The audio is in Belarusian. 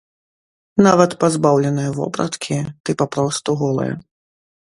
Нават пазбаўленая вопраткі, ты папросту голая.